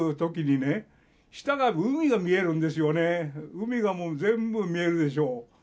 海がもう全部見えるでしょう。